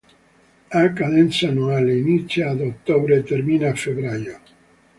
Ha cadenza annuale, inizia ad ottobre e termina a febbraio.